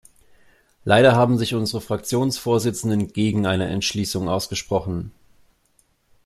Leider haben sich unsere Fraktionsvorsitzenden gegen eine Entschließung ausgesprochen.